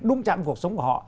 đúng chặn cuộc sống của họ